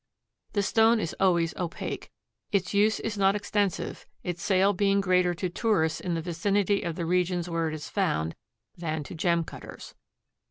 The stone is always opaque. Its use is not extensive, its sale being greater to tourists in the vicinity of the regions where it is found than to gem cutters.